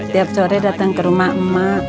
tiap sore datang ke rumah emak